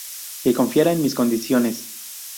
Que confiara en mis condiciones.